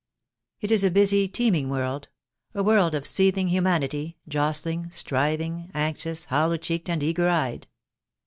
It is a busy, teeming world — a world of seething humanity, jostling, striving, anxious, hollow cheeked and eager eyed.